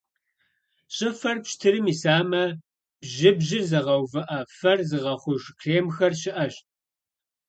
Щӏыфэр пщтырым исамэ, бжьыбжьыр зыгъэувыӏэ, фэр зыгъэхъуж кремхэр щыӏэщ.